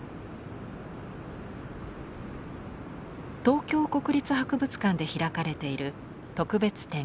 東京国立博物館で開かれている特別展